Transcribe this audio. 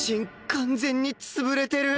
完全に潰れてる